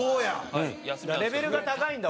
レベルが高いんだ